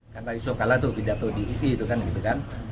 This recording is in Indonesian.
kan tadi soekarno tuh pidato di iki gitu kan gitu kan